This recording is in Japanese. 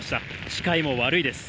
視界も悪いです。